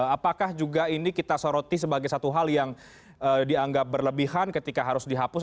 apakah juga ini kita soroti sebagai satu hal yang dianggap berlebihan ketika harus dihapus